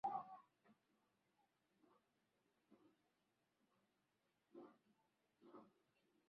kitaifa kilifanikiwa kuwashawishi wananchi kwenye uchaguzi uliofanyika mwezi kumi na mbili na kushinda katika